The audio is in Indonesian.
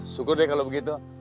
syukur deh kalau begitu